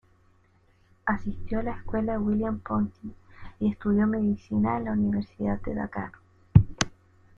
Asistió a la Escuela William Ponty y estudió Medicina en la Universidad de Dakar.